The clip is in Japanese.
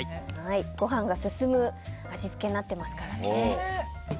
ご飯が進む味付けになってますからね。